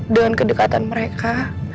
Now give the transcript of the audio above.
dengan kedekatan mereka